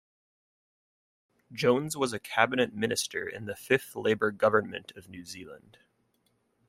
Jones was a cabinet minister in the Fifth Labour Government of New Zealand.